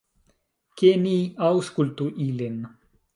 Ke ni aŭskultu ilin.